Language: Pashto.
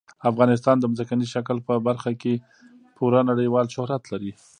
افغانستان د ځمکني شکل په برخه کې پوره نړیوال شهرت لري.